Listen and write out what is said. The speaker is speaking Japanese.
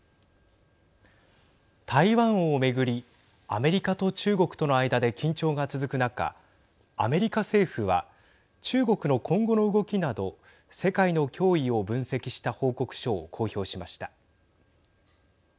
台湾を巡りアメリカと中国との間で緊張が続く中アメリカ政府は中国の今後の動きなど世界の脅威を分析した報告書を公表しました。